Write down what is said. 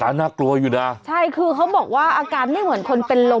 ระวังระวังแกนะตัดเลยตัดทิ้งเลย